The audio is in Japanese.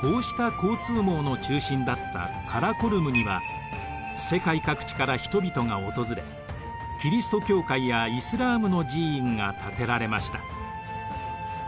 こうした交通網の中心だったカラコルムには世界各地から人々が訪れキリスト教会やイスラームの寺院が建てられました。